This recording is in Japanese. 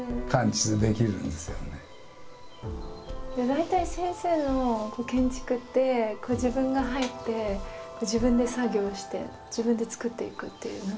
大体先生の建築って自分が入って自分で作業して自分でつくっていくっていうもの？